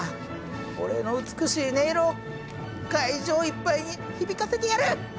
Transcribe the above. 俺の美しい音色を会場いっぱいに響かせてやる！